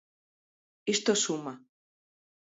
Isto suma.